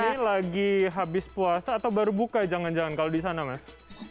ini lagi habis puasa atau baru buka jangan jangan kalau di sana mas